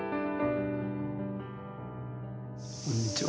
こんにちは。